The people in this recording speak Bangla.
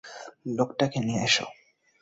লোকটাকে নিয়ে এসো।